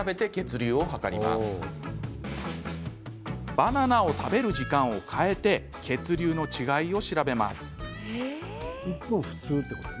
バナナを食べる時間を変えて血流の違いを調べます。